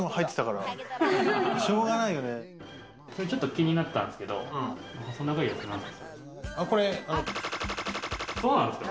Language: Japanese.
気になったんですけど、細長いやつなんですか？